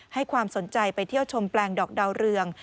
ให้ความสนใจไปเที่ยวชมแปลงดอกดาวเรือง